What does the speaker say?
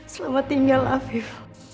selamat tinggal afif